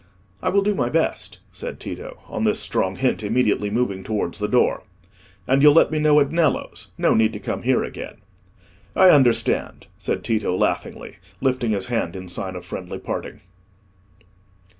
"I will do my best," said Tito—on this strong hint, immediately moving towards the door. "And you'll let me know at Nello's. No need to come here again." "I understand," said Tito, laughingly, lifting his hand in sign of friendly parting.